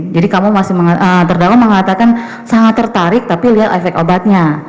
jadi kamu masih terdakwa mengatakan sangat tertarik tapi liat efek obatnya